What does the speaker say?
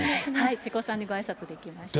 瀬古さんにごあいさつできました。